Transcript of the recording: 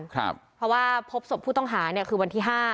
เพราะว่าพบศพผู้ต้องหาเนี่ยคือวันที่๕